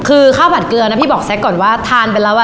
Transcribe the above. คือข้าวผัดเกลือนะพี่บอกแซ็กก่อนว่าทานไปแล้วอ่ะ